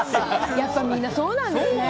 やっぱみんなそうなんですね。